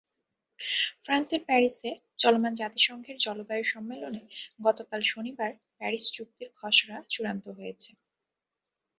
ফ্রান্সের প্যারিসে চলমান জাতিসংঘের জলবায়ু সম্মেলনে গতকাল শনিবার প্যারিস চুক্তির খসড়া চূড়ান্ত হয়েছে।